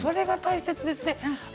それが大切ですね。